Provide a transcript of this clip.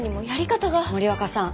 森若さん